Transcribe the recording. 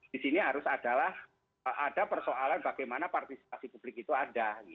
di sini harus adalah ada persoalan bagaimana partisipasi publik itu ada